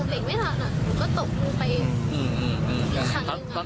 ไม่เป็นไรหรอกครับ